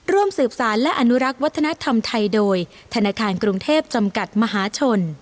ร่วมสืบสารและอนุรักษ์วัฒนธรรมไทยโดยธนาคารกรุงเทพจำกัดมหาชน